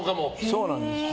そうなんです。